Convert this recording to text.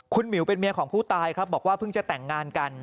คุณหมิวเป็นเมียของผู้ตายครับบอกว่าเพิ่งจะแต่งงานกัน